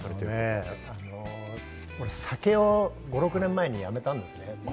俺、酒を５６年前にやめたんですね。